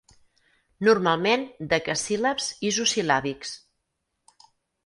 Normalment decasíl·labs isosil·làbics.